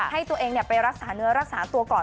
ให้ตัวเองไปรักษาเนื้อรักษาตัวก่อน